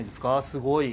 すごい。